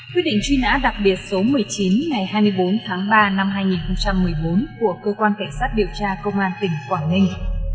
quyết định truy nã đặc biệt số một mươi chín ngày hai mươi bốn tháng ba năm hai nghìn một mươi bốn của cơ quan cảnh sát điều tra công an tỉnh quảng ninh